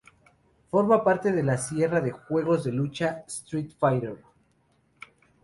Forma parte de la serie de juegos de lucha "Street Fighter".